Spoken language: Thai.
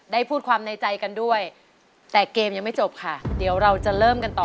ได้พูดความในใจกันด้วยแต่เกมยังไม่จบค่ะเดี๋ยวเราจะเริ่มกันต่อ